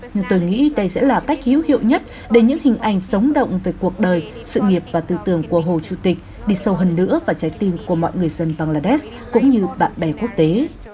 nhưng tôi nghĩ đây sẽ là cách hiếu hiệu nhất để những hình ảnh sống động về cuộc đời sự nghiệp và tư tưởng của hồ chủ tịch đi sâu hơn nữa vào trái tim của mọi người dân bangladesh cũng như bạn bè quốc tế